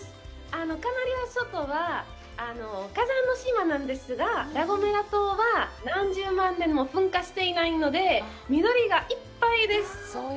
カナリア諸島は火山の島なんですが、ラ・ゴメラ島は何十万年も噴火していないので緑がいっぱいです！